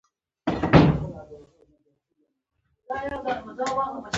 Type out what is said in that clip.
د کلشپورې د مېلې په مازدیګر اکبرجان ګلداد ته ورغی.